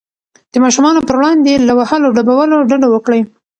د ماشومانو پر وړاندې له وهلو ډبولو ډډه وکړئ.